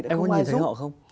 em có nhìn thấy họ không